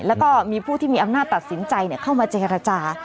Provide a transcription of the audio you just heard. แล้วก็มีผู้ที่มีอำนาจตัดสินใจเข้ามาเจรจา